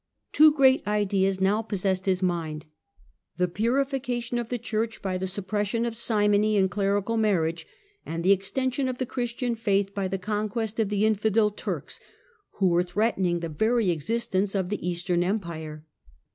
Two great ideas now possessed his mind: the purification of the Church by the suppression of simony and clerical mar riage, and the extension of the Christian faith by the conquest of the infidel Turks, who were threatening the very existence of the Eastern Empire (see p.